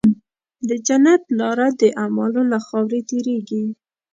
د جنت لاره د اعمالو له خاورې تېرېږي.